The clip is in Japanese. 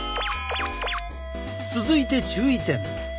続いて注意点。